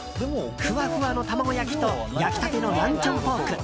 ふわふわ卵焼きと焼き立てのランチョンポーク